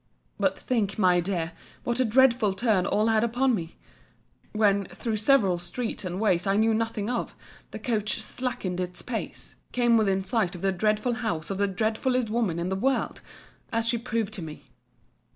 But think, my dear, what a dreadful turn all had upon me, when, through several streets and ways I knew nothing of, the coach slackening its pace, came within sight of the dreadful house of the dreadfullest woman in the world; as she proved to me.